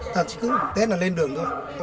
thật chứ tết là lên đường thôi